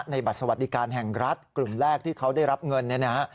ในบัตรสวัสดิการแห่งรัฐกลุ่มแรกที่ได้รับเงิน